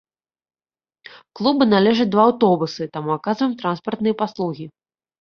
Клубу належаць два аўтобусы, таму аказваем транспартныя паслугі.